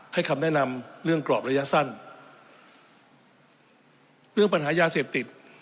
คำแนะนำเรื่องกรอบระยะสั้นเรื่องปัญหายาเสพติด